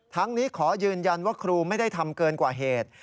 นี้ขอยืนยันว่าครูไม่ได้ทำเกินกว่าเหตุ